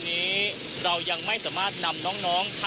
ติดตามการรายงานสดจากคุณทัศนายโค้ดทองค่ะ